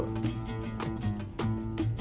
sambil menunggu kami menunggu